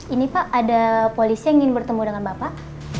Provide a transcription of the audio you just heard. ini pak ada polisi yang ingin bertemu dengan bapak